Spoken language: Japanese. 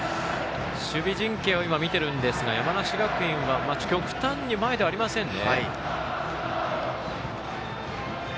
守備陣形を見ているんですが山梨学院は極端に前ではありませんね。